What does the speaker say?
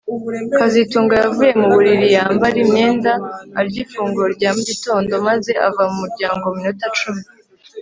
kazitunga yavuye mu buriri yambara imyenda arya ifunguro rya mu gitondo maze ava mu muryango mu minota icumi